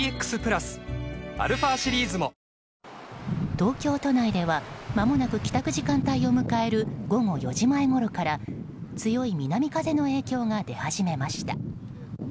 東京都内ではまもなく帰宅時間帯を迎える午後４時前ごろから強い南風の影響が出始めました。